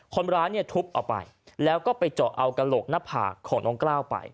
คนร้ายเนี่ยทุบเอาไปแล้วก็ไปเจาะเอากระโหลกหน้าผากของน้องกล้าวไป